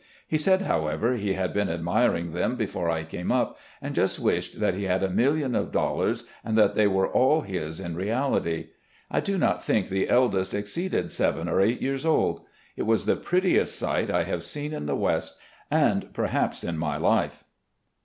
He said, however, he had been admiring them before I came up, and just wished that he had a million of dollars, and that they were all his in reality. I do not think the eldest exceeded seven or eight years old. It was the prettiest sight I have seen in the west, and, perhaps, in my life.